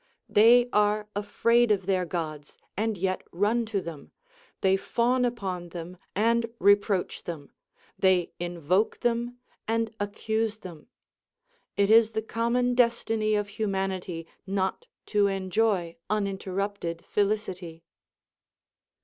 They are afraid of their Gods, and yet run to them ; they fawn upon them, and reproach them ; they imOke them, and accuse them. It is the common destiny of humanity not to enjoy uninterrupted felicity.